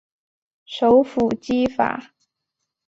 首府基法。